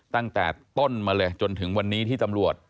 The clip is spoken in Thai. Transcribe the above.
ตั้งแต่ต้นมาเลยจนถึงวันนี้ที่ตำรวจ